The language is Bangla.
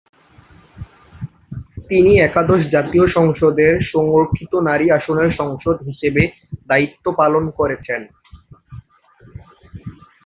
তিনি একাদশ জাতীয় সংসদের সংরক্ষিত নারী আসনের সাংসদ হিসেবে দায়িত্ব পালন করছেন।